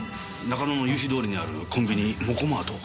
中野の夕日通りにあるコンビニ「モコマート」。